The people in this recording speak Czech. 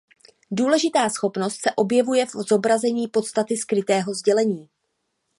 Důležitá schopnost se objevuje v zobrazení podstaty skrytého sdělení.